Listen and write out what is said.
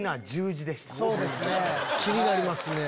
気になりますね。